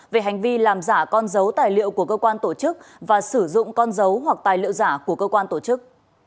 về hành vi làm giả con dấu tài liệu của cơ quan tổ chức và sử dụng con dấu hoặc tài liệu giả của cơ quan tổ chức